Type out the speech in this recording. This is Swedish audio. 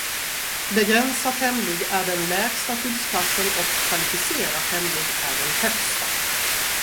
Begränsat hemlig är den lägsta skyddsklassen och kvalificerat hemlig den högsta.